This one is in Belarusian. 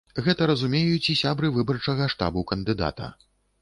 Гэта разумеюць і сябры выбарчага штабу кандыдата.